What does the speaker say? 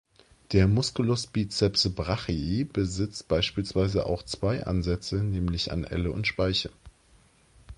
Der Musculus biceps brachii besitzt beispielsweise auch zwei Ansätze, nämlich an Elle und Speiche.